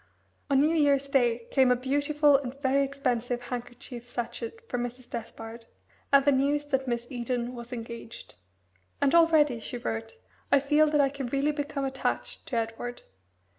On New Year's Day came a beautiful and very expensive handkerchief sachet for Mrs. Despard, and the news that Miss Eden was engaged. "And already," she wrote, "I feel that I can really become attached to Edward.